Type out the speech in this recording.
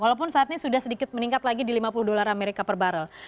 walaupun saat ini sudah sedikit meningkat lagi di lima puluh dolar amerika per barrel